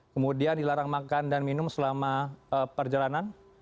kemudian dilarang makan dan minum selama perjalanan